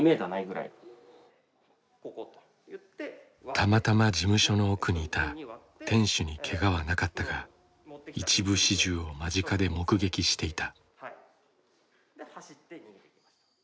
たまたま事務所の奥にいた店主にけがはなかったが一部始終を間近で目撃していた。